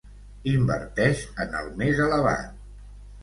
Inverteix en el més elevat.